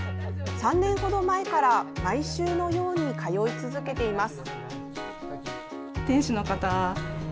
３年ほど前から毎週のように通い続けています。